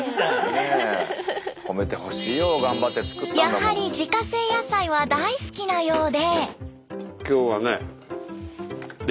やはり自家製野菜は大好きなようで。